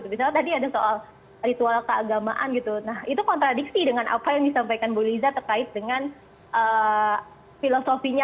misalnya tadi ada soal ritual keagamaan gitu nah itu kontradiksi dengan apa yang disampaikan bu liza terkait dengan filosofinya